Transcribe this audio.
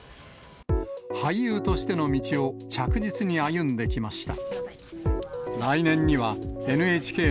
俳優としての道を着実に歩んできました。